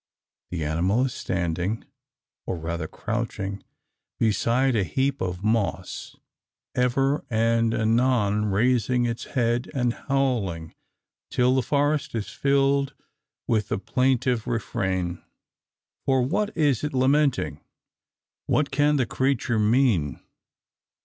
The animal is standing, or rather crouching, beside a heap of moss, ever and anon raising its head and howling, till the forest is filled with the plaintive refrain. For what is it lamenting? What can the creature mean?